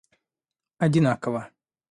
одинаково